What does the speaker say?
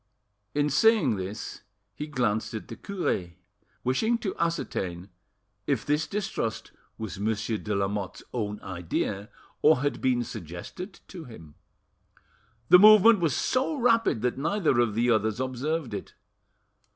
In saying this he glanced at the cure; wishing to ascertain if this distrust was Monsieur de Lamotte's own idea, or had been suggested to him. The movement was so rapid that neither of the others observed it.